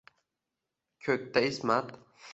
Ko’kda ismat